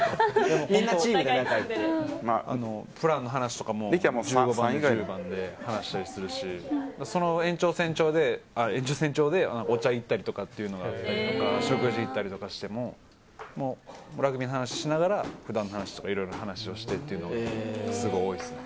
プランの話とかも１０番、１５番で話したりするし、その延長線上で、お茶いったりとかっていうのも、食事行ったりとかしてもラグビーの話をしながら普段の話とか、いろんな話をしてっていうのがすごく多いですね。